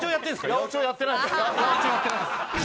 八百長やってないです